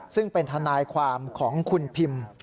ซึ่งเป็นทนายความของคุณพิม